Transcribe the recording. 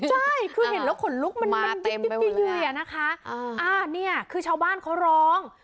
ใช่คือเห็นแล้วขนลุกมันมันยิบยุยอะนะคะอ่าเนี่ยคือชาวบ้านเขาร้อง